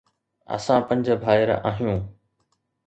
اسان پنج ڀائر آهيون.